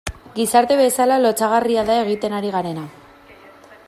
Gizarte bezala lotsagarria da egiten ari garena.